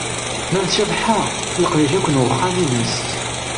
Ma d Cabḥa, leqdic akk n uxxam ines.